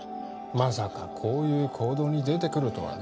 まさかこういう行動に出てくるとはね